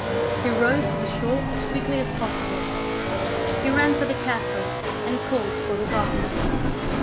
He rowed to the shore as quickly as possible. He ran to the castle and called for the governor.